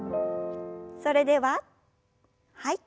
それでははい。